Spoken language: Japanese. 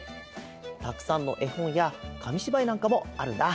たくさんのえほんやかみしばいなんかもあるんだ！